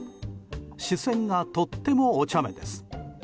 視線が、とってもおちゃめです。